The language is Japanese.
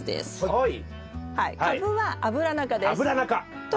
はい。